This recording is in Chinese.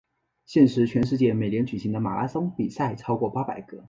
现时全世界每年举行的马拉松比赛超过八百个。